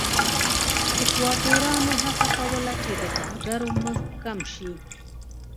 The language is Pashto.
سکواټورانو هڅه کوله چې د کارګرو مزد کم شي.